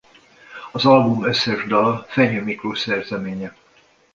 Az album összes dala Fenyő Miklós szerzeménye.